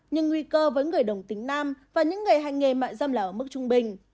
nhưng nguy cơ với người đồng tính nam và những người hành nghề mại dâm là ở mức trung bình